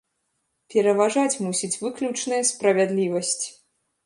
Пераважаць мусіць выключная справядлівасць!